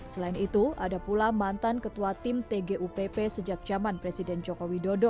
selain itu ada pula mantan ketua tim tgupp sejak zaman presiden joko widodo